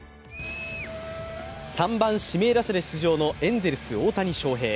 ３番・指名打者で出場のエンゼルス・大谷翔平。